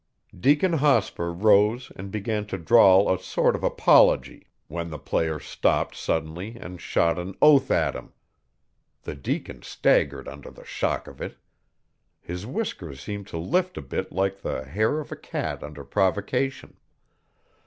Deacon Hospur rose and began to drawl a sort of apology, when the player stopped suddenly and shot an oath at him. The deacon staggered under the shock of it. His whiskers seemed to lift a bit like the hair of a cat under provocation.